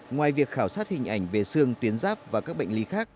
ngoài việc khảo sát hình ảnh về sương tuyến ráp và các bệnh lý khác